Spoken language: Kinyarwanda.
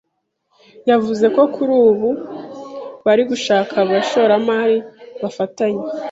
yavuze ko kuri ubu bari gushaka abashoramari bafatanya